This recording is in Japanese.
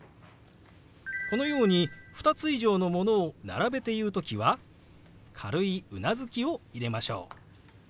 このように２つ以上のものを並べて言う時は軽いうなずきを入れましょう。